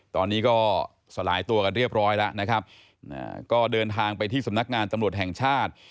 ตอนนี้ก็สลายตัวกันเรียบร้อยแล้วนะครับก็เดินทางไปที่สำนักงานตำรวจแห่งชาติ